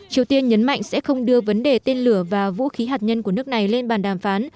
triều tiên nhấn mạnh sẽ không đưa vấn đề tên lửa và vũ khí hạt nhân của nước này lên bàn đàm phán